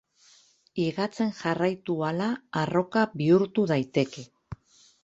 Higatzen jarraitu ahala arroka bihurtu daiteke.